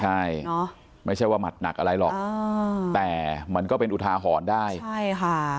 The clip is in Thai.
ใช่ไม่ใช่ว่าหมัดหนักอะไรหรอกแต่มันก็เป็นอุทาหรณ์ได้ใช่ค่ะ